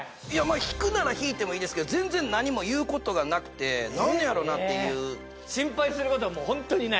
引くなら引いてもいいですけど全然何も言うことがなくて何でやろなっていう心配することはホントにない？